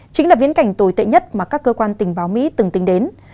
chính là viễn cảnh tồi tệ nhất mà các cơ quan tình báo mỹ từng tính đến